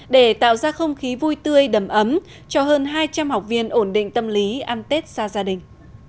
để tạo ra không khí vui tươi đầm ấm cho hơn hai trăm linh học viên ổn định tâm lý ăn tết xa gia đình